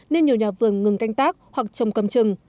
nên nhiều nhà vườn ngừng canh tác hoặc trồng cầm trừng